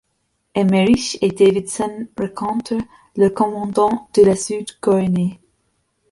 Emmerich et Davidson rencontrent le commandant de la sud-coréenne.